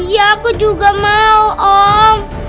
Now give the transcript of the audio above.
ya aku juga mau om